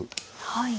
はい。